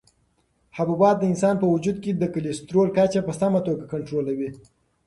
حبوبات د انسان په وجود کې د کلسترولو کچه په سمه توګه کنټرولوي.